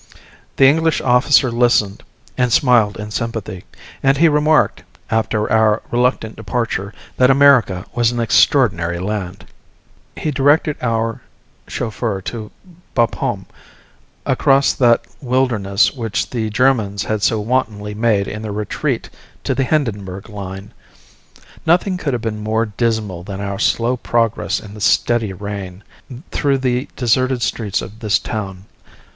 The English officer listened and smiled in sympathy, and he remarked, after our reluctant departure, that America was an extraordinary land. He directed our chauffeur to Bapaume, across that wilderness which the Germans had so wantonly made in their retreat to the Hindenburg line. Nothing could have been more dismal than our slow progress in the steady rain, through the deserted streets of this town.